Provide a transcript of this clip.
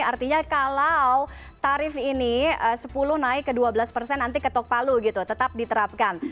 artinya kalau tarif ini sepuluh naik ke dua belas persen nanti ketok palu gitu tetap diterapkan